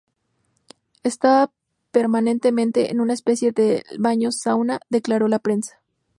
Estaba permanentemente en una especie de baño sauna", declaró a la prensa.